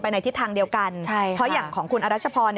ในทิศทางเดียวกันเพราะอย่างของคุณอรัชพร